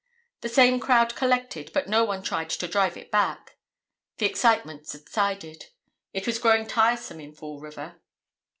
The same crowd collected but no one tried to drive it back. The excitement subsided. It was growing tiresome in Fall River.